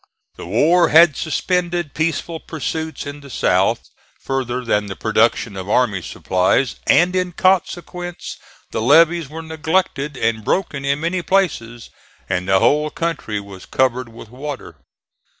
The war had suspended peaceful pursuits in the South, further than the production of army supplies, and in consequence the levees were neglected and broken in many places and the whole country was covered with water.